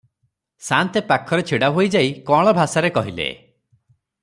ସାନ୍ତେ ପାଖରେ ଛିଡ଼ାହୋଇ ଯାଇ କଅଁଳ ଭାଷାରେ କହିଲେ